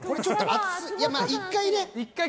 １回ね。